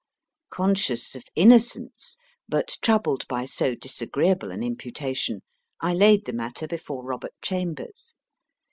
Conscious of innocence, but troubled by so disagreeable an imputation, I laid the matter before Robert Chambers.